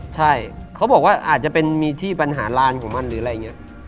ใช่เขาบอกว่าอาจจะเป็นมีที่ปัญหาลานของมันหรืออะไรอย่างนี้